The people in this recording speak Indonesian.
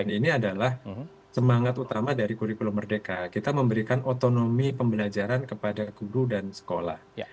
dan ini adalah semangat utama dari kurikulum merdeka kita memberikan otonomi pembelajaran kepada guru dan sekolah